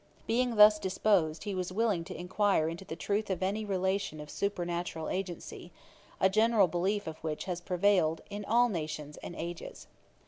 Being thus disposed, he was willing to inquire into the truth of any relation of supernatural agency, a general belief of which has prevailed in all nations and ages.